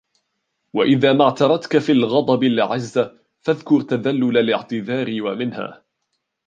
وَإِذَا مَا اعْتَرَتْك فِي الْغَضَبِ الْعِزَّةُ فَاذْكُرْ تَذَلُّلَ الِاعْتِذَارِ وَمِنْهَا